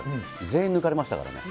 全員抜かれましたからね。